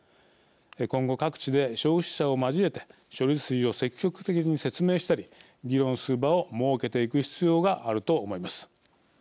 今後、各地で消費者を交えて処理水を積極的に説明したり議論する場を設けていく必要があると思います。